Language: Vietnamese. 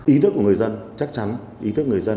ý thức của người dân chắc chắn ý thức người dân